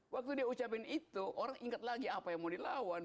waktu dia ucapin itu orang ingat lagi apa yang mau dilawan